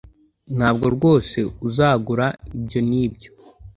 Ntabwo rwose uzagura ibyo nibyo